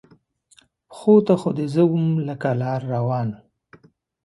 پښو ته خو دې زه وم لکه لار روان